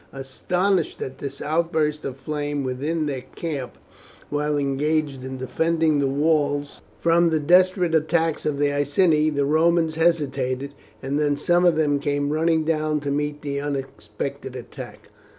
Astonished at this outburst of flame within their camp, while engaged in defending the walls from the desperate attacks of the Iceni, the Romans hesitated, and then some of them came running down to meet the unexpected attack.